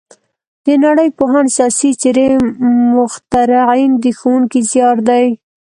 د نړۍ پوهان، سیاسي څېرې، مخترعین د ښوونکي زیار دی.